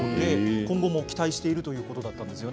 今後も期待しているということだったんです。